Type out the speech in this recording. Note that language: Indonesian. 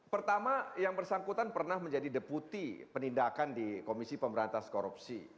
pertama yang bersangkutan pernah menjadi deputi penindakan di komisi pemberantas korupsi